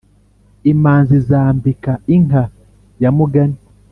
imanzi zambika inka ya mugani